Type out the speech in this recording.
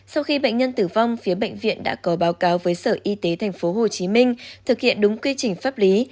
sau khi bệnh nhân tử vong phía bệnh viện đã có báo cáo với sở y tế tp hcm thực hiện đúng quy trình pháp lý